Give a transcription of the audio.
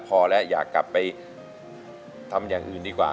พอแล้วอยากกลับไปทำอย่างอื่นดีกว่า